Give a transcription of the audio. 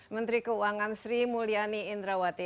menteri keuangan sri mulyani indrawati